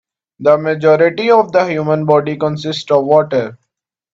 The majority of the human body consists of water.